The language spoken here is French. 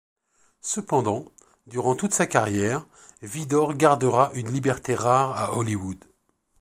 Cependant, durant toute sa carrière, Vidor gardera une liberté rare à Hollywood.